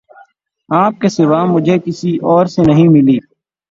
آپ کے سوا مجھے کسی اور سے نہیں ملی